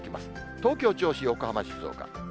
東京、銚子、横浜、静岡。